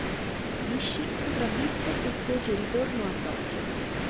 Nishi sopravvisse e fece ritorno a Tokyo.